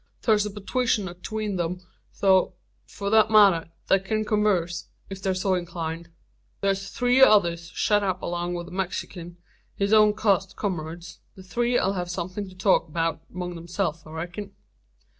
Thur's a purtition atween 'em; tho' for thet matter they kin convarse, ef they're so inclined. Thur's three others shet up along wi' the Mexikin his own cussed cummarades. The three 'll have somethin' to talk 'beout 'mong themselves, I reck'n."